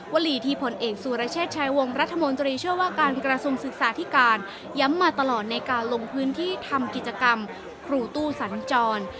วลีที่ผลเอกสุรเชษฐ์ชายวงรัฐมนตรีเชื่อว่าการกระทรวงศึกษาธิการย้ำมาตลอดในการลงพื้นที่ทำกิจกรรมครูตู้สัญจร